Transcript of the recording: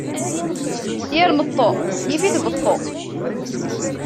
Yir meṭṭu, yif-it beṭṭu.